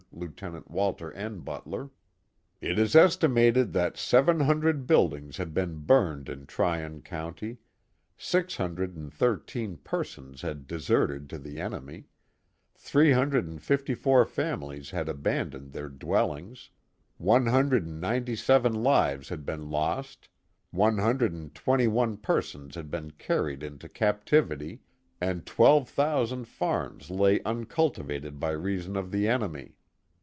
Lieutenant Walter N. Butler; It is esiimnted that seven hundred buildings had been burned in Tryon County; six hundred and ihirteen peisona had deserted to the enemy; three hundred and fifiy four famihcs had abandoned their dwellings; one hundred and ninely seven lives had been lost; one hundred and twenty one persons had been carried into cap tivity; and twelve thousand farms lay uncultivated by reason of the enemy.